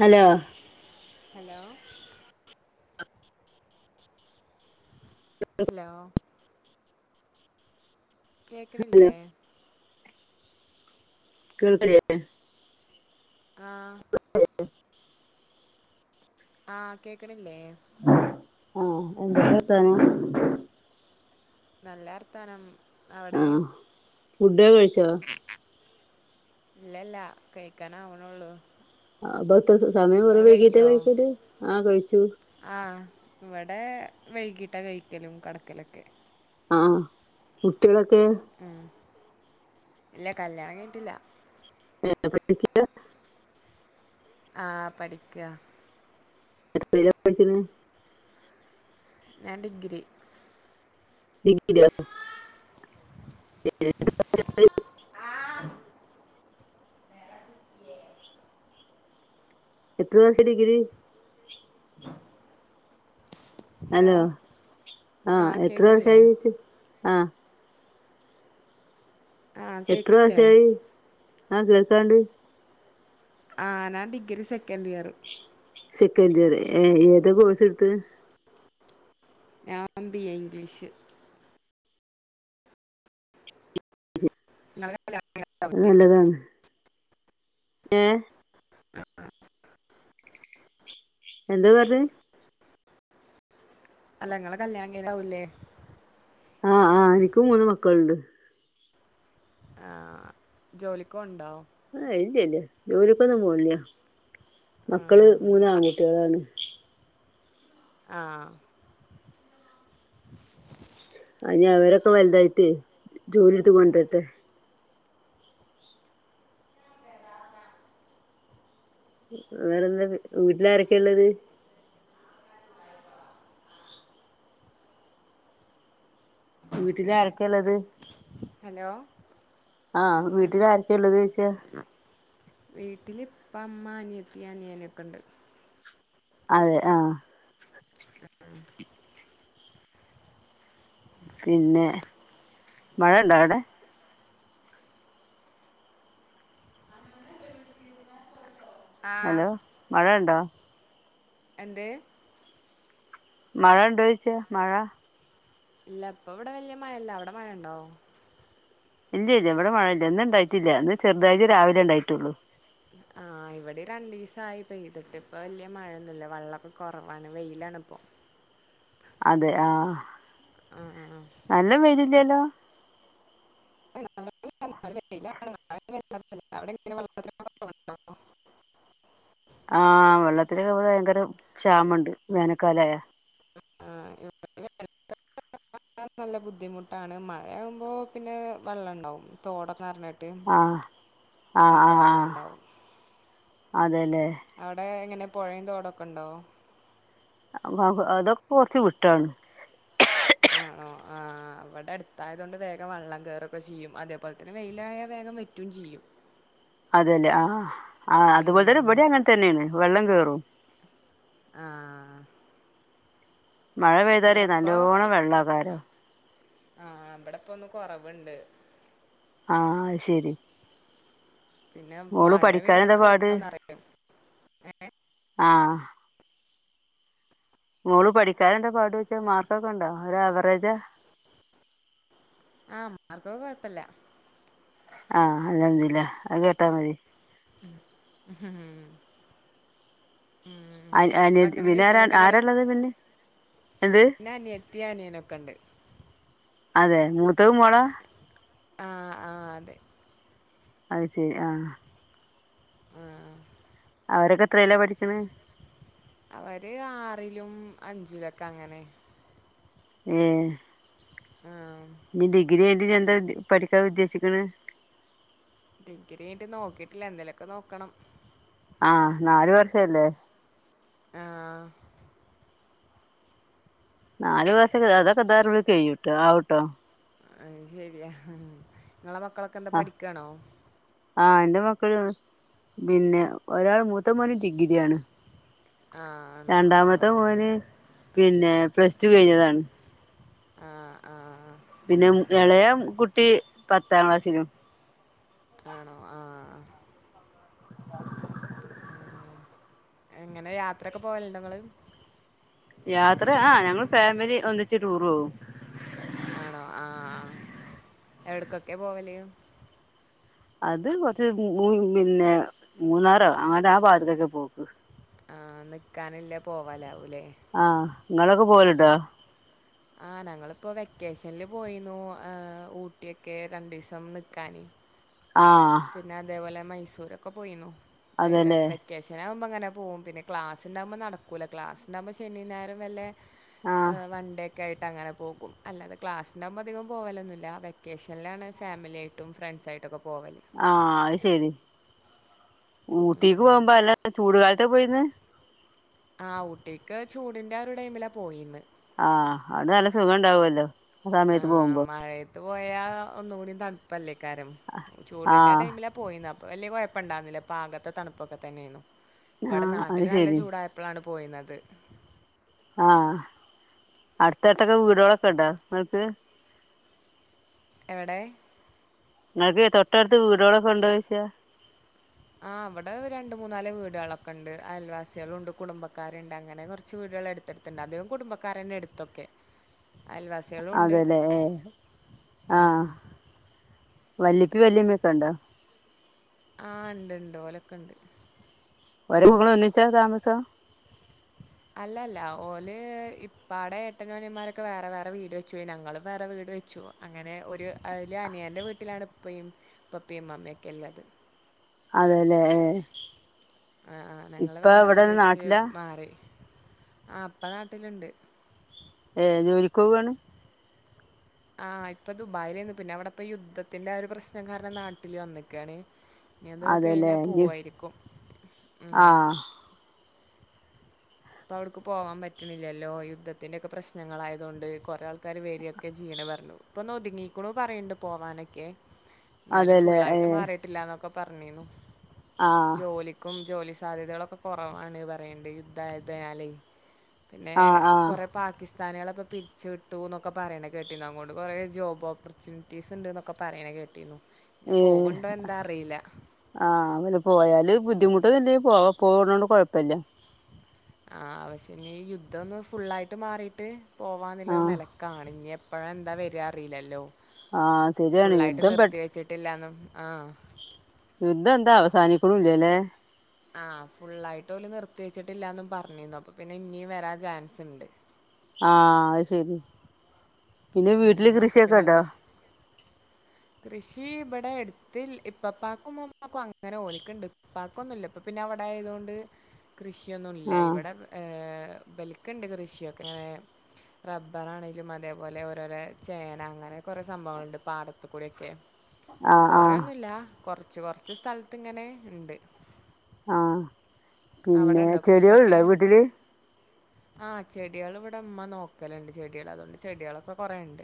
Hello hello hello hello കേക്കണില്ലേ? കേൾക്ക്ണില്ലേ? ആഹ് [unintelligible] ആഹ് കേക്കണില്ലേ? ആഹ് എന്തൊക്കെ വർത്താനം? നല്ല വർത്താനം. അവിടെ ആഹ് ഫുഡക്കെ കഴിച്ചോ? ഇല്ലല്ല കഴിക്കാനാവണള്ളൂ. അതെത്ത സമയം കുറേ വൈകീട്ടാ കഴിക്കല്? ആഹ കഴിച്ചു. ആഹ്. ഇവിടെ വൈകിട്ട കഴിക്കലും കടക്കലൊക്കെ. ആഹ. കുട്ടികളൊക്കെ? ഉം. ഇല്ല കല്യാണം കഴിഞ്ഞിട്ടില്ല ഏ പഠിക്കാ [unintelligible] ആ പഠിക്കാ. എന്തിനാപഠിക്കണ്? ഞാൻ ഡിഗ്രി. ഡിഗ്രിയൊ ഏ. ആഹ. എത്ര വർഷ ഡിഗ്രി ഹലോ ആഹ ആഹ് എത്ര കേക്കണില്ലേ വർഷയിട്ട ആഹ ആഹ് എത്ര കേക്കണില്ലേ വർഷായി. ആ കേൾക്കാണ്ട്. ആ ഞാൻ ഡിഗ്രി സെക്കന്ററഇയർ. Second year. ഏ ഏതാ കോഴ്സ് എടുത്ത്. ഞാൻ ബി. എ. ഇംഗ്ലീഷ്. നല്ലല്ല [unintelligible] നല്ലതാണ്. ഏ. എന്താ പറഞ്ഞ്. അല്ല ഇങ്ങളെ കല്യാണം കഴിഞ്ഞ താവൂല്ലേ. ആഹ്. ആ. എനിക്കും മൂന്ന് മക്കളുണ്ട്. ആഹ്. ജോലിക്കോവുണ്ടാ ആഹ ഇല്ലല്ലേ. ജോലിയക്കൊ ഒന്നും പോണില്ല. ആ മക്കള് മൂന്ന മ- ആൺകുട്ടികളാണ്. ആഹ ആ ഇനി അവരൊക്കെ വലുതായിട്ടേ ജോലി എടുത്ത കൊണ്ടിരട്ടെ വേറെന്താ. വീട്ടിലാരൊക്കെയ ഉള്ളത് വീട്ടിലാരൊക്കെള്ളത്? ഹലോ ആഹ് വീട്ടില്ആാരൊക്കെയള്ളത് ചോയ്ച്ച വീട്ടില് ഇപ്പ ഇമ്മ അനിയത്തിയനിയനൊക്ക ഉണ്ട് അതെ ആ പിന്നെ. മഴയ ഉണ്ടാവിടെ. ആ ഹലോ. മഴയണ്ടോ. എന്തേ. മഴണ്ടോയിച്ച. മഴ. ഇല്ല. ഇപ്പ ഇവിടെ വലിയ മഴല്ല. അവിടെ മഴ ഉണ്ടോ. ഇല്ല ഇല്ല ഇവിടെ മഴയില്ല. ഇന്ന ഉണ്ടായിട്ടില്ല. ഇന്ന് ചെറുതായിട്ട് രാവിലെ ഉണ്ടായിട്ടുള്ളു. ആഹ്. ഇവിടെ രണ്ടു ദിവസ ആ പെയ്തിട്ട്. ഇപ്പ വല്യ മഴയൊന്നുമല്ല. വെള്ളമൊക്കെ കുറവാണ് വെയിലാണ് ഇപ്പോ. അതെ ആഹ. ആ ആ ആ. നല്ലം മെലിഞ്ഞിട്ടായി നു അവി [unintelligible] ആഹ് വെള്ളത്തില് ഭയങ്കര ക്ഷാമുണ്ട്. വേനക്കാലായ. ആഹ് അ നല്ല ബുദ്ധിമുട്ടാണ്. മഴയാകുമ്പോ പിന്നെ വെള്ളം ഉണ്ടാവും. തോടൊക്കെന്നറഞ്ഞ് ആഹ് ആ ആ ആഹ് ഉണ്ടാവും അതെലെ അവിടെ എങ്ങനെ പുഴയും തോടൊക്കെ ഉണ്ടോ. അതൊക്കെ കുറച്ച് വിട്ടാണ്. [inaudible] ആഹ് അവിടെ അടുത്തായതൊണ്ട് വേഗം വെള്ളം കേറൊക്കെ ചെയ്യും. അതേപോലെ തന്നെ വെയിലായാ വേഗം വറ്റം ചെയ്യും. അതെല്ലേ. ആഹ് ആ അതുപോലെ തന്നെ ഉം ഇപെടി അങ്ങനെ തന്നെണ് വെള്ളം കേറും ആഹ് മഴ പെയ്താലെ ഇവിടെപ്പോ നല്ലോണം വെള്ളക്കാരോ. ആഹ് ഇമ്പിടെ ഇപ്പ ഒന്ന് കുറവുണ്ട്. ആഹ് അഅ്ശരി. പിന്നെ മോള് മഴ പെയ്ത പഠിക്കാനെന്താപാട്. നല്ലോന്നറിയും ഏ ആഹ് മോള് പഠിക്കാൻ എന്താ പാട് ചോദിച്ച. മാർക്കൊക്കെ ഉണ്ടോ ഒരു അവറേജാ. ആഹ് മാർക്കൊക്കെ കൊയപ്പല്ല ആഹ് അല്ഹംദുലില്ലാഹ് അത് കേട്ട മതി ഉം അനി അനിയത്തി ഭത്തണം പിന്നെ ആരാ കഴിച്ചന്നിട്ടെങ്ങള് ആരാള്ളത് പിന്നെ എന്ത് ഇൻ്റെങ പ്പയ് അനിയനൊക്കെണ്ട് അതെ മൂത്തത് മോളാ ആഹ് ആഹ് അതെ അത് ശരി ആഹ് ആഹ് അവരൊക്കെ എത്രയില പഠിക്കണ് അവര് ആറിലും അഞ്ചിലൊക്കെ അങ്ങനെ ഏഹ് ആഹ് ഇനി ഡിഗ്രി കയിഞ്ഞിട്ടിനി എന്താ പഠിക്കാൻ ഉദ്ദേശിക്കുന്നെ ഡിഗ്രി കൈഞ്ഞിട്ട് നോക്കീട്ടില്ല എന്തേലൊക്കെ നോക്കണം ആഹ് നല് വർഷല്ലേ ആഹ് നാല് വർഷൊക്കെ അതൊക്കെ താ കയൂട്ടോ ആവുട്ടോ അത് ശരിയാ നിങ്ങളെ മക്കളൊക്കെ എന്താ ആഹ് പഠിക്കാണോ. ആഹ് എന്റെ മക്കള് പിന്നെ ഒരാൾ മൂത്ത മോന് ഡിഗ്രിയാണ് ആഹ് ആണോ രണ്ടാമത്തെ ആഹ് മോന് പിന്നെ പ്ലസ്റ്റു കയിഞ്ഞതാണ് ആഹ് ആഹ് പിന്നെ എളയ കുട്ടി പത്താ ക്ലാസ്സിലും ആണോ ആഹ് [inaudible] ഉം എങ്ങനെ യാത്രയക്കെ പോവലുണ്ടങ്ങള് യാത്ര ആഹ് ഞങ്ങള് ഫാമിലി ഒന്നിച്ച് റ്റൂർ പോവും ആണോ ആഹ് എവിടക്കൊക്കെ പോവല് അത് കൊറച്ച് മൂ പിന്നെ മൂന്നാറോ അങ്ങനത്തെ ആ ഭാഗത്തൊക്കെ പോക്ക് ആഹ നിക്കാനില്ല പോവലാവൂലേ ആഹ നിങ്ങളൊക്കെ പോവലുണ്ടോ ആ ഞങ്ങളിപ്പോ വെക്കേഷനിൽ പോയിന്നു ഊട്ടിയൊക്കെ രണ്ടു ദിവസം നിക്കാന് ആഹ പിന്നെ അതേപോലെ മൈസൂരൊക്കെ പോയിന്നു വെ ഹെ വെ അതെല്ലേ വെക്കേഷനാകുമ്പോ അങ്ങനെ പോവും പിന്നെ ക്ലാസ്ണ്ടാവുബേ നടകൂല്ല ക്ലാസ് ഇണ്ടാവുബോൾ ശനിയോ ഞയറോ വല്ല ഹെ ആഹ് വണ്ടെ ഒക്കെ ആയിട്ട്ങ്ങനെ പോകും അല്ലാത ക്ലാസിന്നാവുബോ അധികം പോവലൊന്നുല്ല വെക്കേഷനിലാണ് ഫാമിലിയായിട്ട് ട്ടും ഫ്രാൻഷായിട്ടൊക്കെ പോവല് ആ അഹ് ശരി ഊട്ടിക്ക് പോകുമ്പോ അല്ല ചൂട് കാലത്ത പോയിന്ന് ആഹ ഊട്ടിക്ക് ചൂടിന്റെ ആരു ടൈമിലാ പോയിന്ന് ആഹ അതോണ്ട്‌ നല്ല സുഖം ഉണ്ടാവല്ലോ ആ മഴത്ത് പോയാ ഒന്നുകൂടി തണുപ്പല്ലേക്കാരം ചൂടിന്റെ ആഹ് ടൈമില പോയിന് അപ്പ വലിയ കുഴപ്പം ഇണ്ടാവുന്നില്ല പാകത്തെ തണുപ്പൊക്കെ തന്നെയായിരുന്നു ഇവിടെ ആഹ് അത് നാട്ടില് നല്ല ശരി ചൂടായ പ്പളാണ് പോയീന്നത് ആഹ അടുത്തടുത്തക്കെ വീടുകളൊക്കെ ഇണ്ടോ ഇങ്ങള്ക്ക് എവിടെ ഇങ്ങക്ക് തൊട്ടടുത്ത് വീടുകളൊക്കെ ഉണ്ടോ ചോയിച്ച ആ ഇവിടെ ഒരു രണ്ട് മൂന്നാല് വീടുകളൊക്കെ ഉണ്ട് അയൽവാസികളുണ്ട് കുടുംബക്കാരുണ്ട് അങ്ങനെ കുറച്ച് വീടുകൾ അടുത്തടുത്തു ണ്ട് അധികം കുടുബക്കാരന്നെ ഏടുത്തൊക്കെ അതലേ, ആ ആഹ് വല്ലിപ്പി വല്ലിമ്മിയൊക്കെ ഇണ്ടോ ആഹ് ഇണ്ട് ഇണ്ട് ഓലക്കണ്ട് ഒരുമകളൊഒന്നിച്ചാ താമസം? അല്ലല്ല ഓല് ഇപ്പാടെ ഏട്ടൻഅനിയമാരൊക്കെ വേറെ വേറെ വീട് വെച്ചു പോയി ഞങ്ങളും വേറെ വീട് വെച്ചു അങ്ങനെ ഒരു അനിയൻ്റെ വീട്ടിലാണ് ഇപ്പി ഇപ്പപ്പി ഇമ്മമൊക്കെ ഇള്ളത് അതെല്ലേ ഏ ആ ആ ഞങ്ങള് വേറെ വീട് വെച്ച് നാട്ടിലാ മാറി ആ ഇപ്പ നാട്ടില്ണ്ട് ഏ ജോലികൊവാണ് ആ ഇപ്പൊ ദുബായിലെന്നു പിന്നെ അവിടെപ്പ യുദ്ധത്തിന്റെ ഒരു പ്രശ്നം കാരണം നാട്ടില് വന്നിക്കാണ് ഇനി അത് അതല്ലേ കഴിഞ്ഞാ ലിഫ് പോവായിരിക്കും ആ ഉം ഇപ്പൊ അവിടുക്ക് പോകാൻ പറ്റണില്ലല്ലോ യുദ്ധത്തിന്റെക്കെ പ്രശ്നങ്ങളായതു കൊണ്ട് കുറെ ആൾ ക്കാർ വേരിയൊക്കെ ജീയ്യ്ണ് പറഞ്ഞു ഇപ്പൊ ഒന്ന് ഒതുങ്ങിക്കുണു പറയണ്ട് പോവാനൊക്കെ ന്നാലും അതെല്ലേ ഫുുള്ളായിട്ട് ഏഹ് മാറിയിട്ടില്ല എന്നൊക്കെ പറഞ്ഞിന്നു ആഹ് ജോലി ക്കും ജോലി സാധ്യതകളൊക്കെ കൊറവാണ് പറയ്ണ്ട് യുദ്ധായതി നാലയ് ആഹ് ആഹ് പിന്നെകൊറേ പാ പാക്കിസ്ഥാനികളെ പിരിച്ച് വിട്ടൂ ന്നുക്കെ പറയണ് കേട്ടിന്നുഅങ്ങോട്ട് കുറെജോബ് ഓപ്പർച്യൂ റ്റിസ്ണ്ട് ന്നൊക്കെ പറയണ്കേട്ടിന്നു ഏ ആഹ് ങ്ങനെ പോയാല് ബുദ്ധിമുട്ട്ന്ന് ണ്ട് പോവാ പോണോണ്ട് കൊഴപ്പല്ല. ആ ആശ്യഈ യുദ്ധം ഒന്ന് ഫുള്ളായിട്ട് മാറിട്ട് പോവാന്നില്ല ആഹ് നല കാണി ഞ്ഞഎപ്പഴ എന്താ വര അറില്ലല്ലോ ആഹ് ശരിയാണ് ഫുുള്ളായിട്ട് യുദ്ധം പെ നിർത്തി വെ ച്ചിട്ടില്ലാ ന്നും ആഹ് യുദ്ധ എന്താ അവസാനിക്കുണു ഇല്ലലേ ആ ഫുള്ളായിട്ട് ഓല് നിർത്തി വെച്ചിട്ടില്ലന്നു പറഞ്ഞിന്നു അപ്പൊ പിന്നെ ഇഞ്ഞി വരാൻ ചാൻസ് ഇണ്ട് ആഅഹ് ശെരി ഉം അപ്പൊ ഉണ്ടോ പിന്നെന്നാ കൃഷി ഇവിടെ എടുത്തിൽ ഇപ്പപ്പാക്കും ഇമ്മമാക്കും അങ്ങനെ ഓലിക്കുണ്ട്. ഇപ്പാക്കൊന്നുല്ല ഇപ്പൊ പിന്നെ അവിടെ ആയതുകൊണ്ട് കൃഷിയൊന്നുല്ല. ആഹ് ഇവിടെ ഇബെൽക്ക് ണ്ട് കൃഷിയൊക്കെ റബ്ബറാണെങ്കിലും മല ഒലോപോലെ ഓരോരോ ചേന അങ്ങനെ കുറെ സംഭവങ്ങളുണ്ട് പാടത്തു കൂടിഒ ക്കെ ആഹ് ആഹ് കൊറെഒന്നുല്ല കൊറച്ച് കൊറച്ച് സ്ഥലത്ത് ഇങ്ങനെ ഇണ്ട്. ആഹ് പിന്നെ കൃഷിയൊക്കെ ചെടികള്ണ്ടോ വീട്ടില് ആ ചെടികൾ ഇവിടെ ഇമ്മ നോക്കല്ണ്ട് ചെടികൾ അതോ ണ്ട് ചെടിളൊക്കെ കൊറേണ്ട്.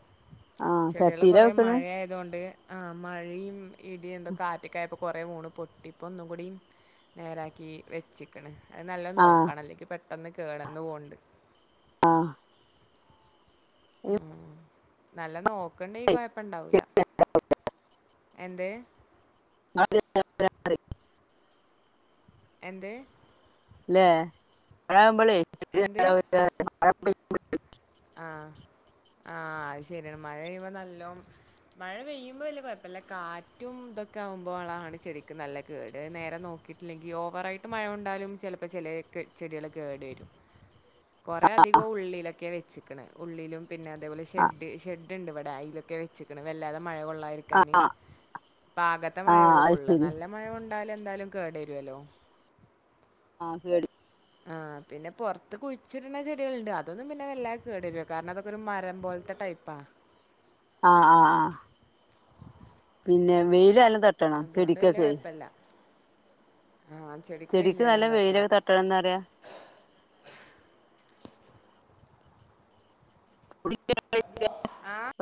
ആഹ് ചെടികള് ചട്ടിയിലാ കൊറെ വെക്കണ് മഴാ യതൊണ്ട് ആ മഴയും ഇടി ന്തൊക്കെ കാറ്റക്കായപ്പൊ കുറെ വീണ് പൊട്ടി ഇപ്പോ ഒന്നും കൂടി നേരാക്കി വെച്ച്. ക്ക് ണ് അത് നല്ല ആഹ് നോക്കണം അല്ലെങ്കി പെട്ടെന്ന് കേടന്ന് പോവ്ണ്ട്. ആഹ് ഉം നല്ല നോക്കണ്ടങ്കി കൊഴപ്പ ണ്ടാവൂല. എന്ത്. [inaudible] എന്ത് ഇല്ലോ എന്ത് [unintelligible] ആഹ് ആ അത് ശരിയാണ് മഴയ്യു മ്പൊ നല്ലം മഴ പെയ്യുമ്പോവെല്ല്യ കുഴപ്പല്ല കാറ്റും ഇതൊക്കെ ആകുമ്പോളാണ് ചെടിക്ക് നല്ല കേട് നേരെ നോക്ക കിട്ടില്ലെങ്കിൽ ഓവറായിട്ട് മഴ കൊണ്ടാലും ചലപ്പോചെലെ ചെടികള് കേടേരും. [inaudible] കുറെ അധികം ഉള്ളിലൊക്കെ വെ ഉള്ളിലും പിന്നെ അതെ പോ ആഹ് ലെഷഡ്ഡ് ഷഡ്ഡ് ണ്ട് ഇവടെ അയിലൊക്കെ വെച്ച് ക്ക് ണ് വല്ലാതെ മഴ കൊള്ളാരിക്കാൻ. ആ ആ പാകത്തെ മഴയൊള്ളൂ കൊള്ള നല്ല മഴ കൊ ൻണ്ടാലും എന്തായാലും കേടേരൊല്ലോ? ആഹ കേട് ആഹ പിന്നെ പൊറത്ത് കുയ്ച്ചിടണ ചെടികളുണ്ട്. അതൊന്നും പിന്നെ വല്ല കേടരൂല കാരണം അതൊക്കെ ഒരു മരം പോലത്തെ ടൈപ്പാ അഹ അഹ ആഹ പിന്നെ വെയില് നല്ലൊം തട്ടണം അതുകൊണ്ട് വല്യ ചെടിക്കൊക്കെ. കുഴപ്പല്ല. ആ ചെടിക്ക് നല്ല വെയിലെല്ലാം തട്ടണം വെയിലൊക്കെ തട്ടണംന്ന് നറിയ. [unintelligible] ആഹ്